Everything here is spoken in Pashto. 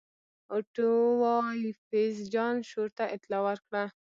اوټوایفز جان شور ته اطلاع ورکړه.